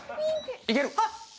いける。